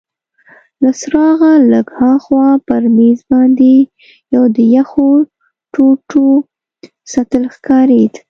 له څراغه لږ هاخوا پر مېز باندي یو د یخو ټوټو سطل ښکارید.